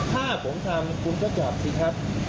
ถ้าผมทำคุณก็จอดสิครับ